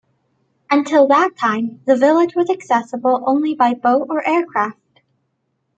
Until that time the village was accessible only by boat or aircraft.